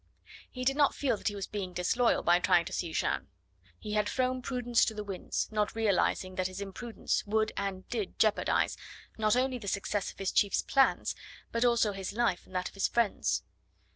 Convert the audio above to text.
He did not feel that he was being disloyal by trying to see Jeanne. He had thrown prudence to the winds, not realising that his imprudence would and did jeopardise, not only the success of his chief's plans, but also his life and that of his friends.